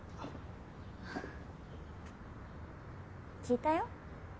聞いたよ？